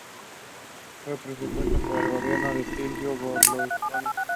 Fue propuesto por el gobierno de Silvio Berlusconi.